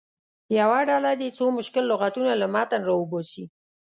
یوه ډله دې څو مشکل لغتونه له متن راوباسي.